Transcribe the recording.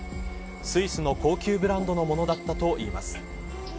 スイスの高級ブランドのものだったといいます。